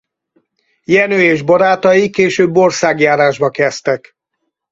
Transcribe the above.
Jenő és barátai később országjárásba kezdtek.